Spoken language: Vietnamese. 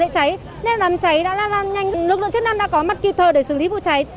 cháy nên làm cháy đã là nhanh lực lượng chức năng đã có mặt kịp thời để xử lý vụ cháy